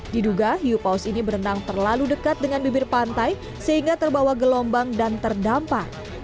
diduga hiu paus ini berenang terlalu dekat dengan bibir pantai sehingga terbawa gelombang dan terdampak